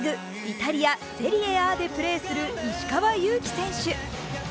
イタリア・セリエＡでプレーする石川祐希選手。